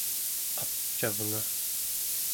apcavnga